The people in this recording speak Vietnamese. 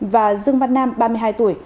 và dương văn nam ba mươi hai tuổi